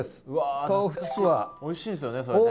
おいしいですよねそれね。